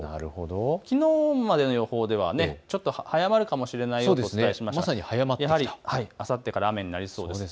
きのうまでの予報では、ちょっと早まるかもしれないとお伝えしたんですが、やはり、あさってから雨になりそうです。